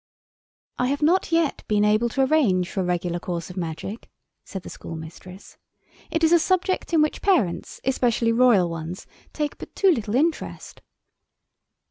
"I have not yet been able to arrange for a regular course of Magic," said the schoolmistress; "it is a subject in which parents, especially royal ones, take but too little interest."